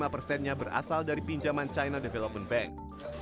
lima persennya berasal dari pinjaman china development bank